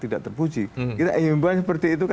tidak terpuji kita ingin membuat seperti itu